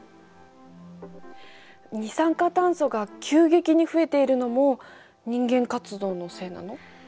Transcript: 二酸化炭素が急激に増えているのも人間活動のせいなの？